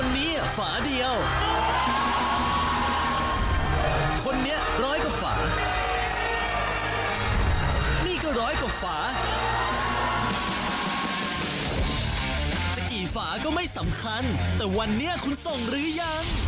อีกกี่ฝาก็ไม่สำคัญแต่วันนี้คุณส่งหรือยัง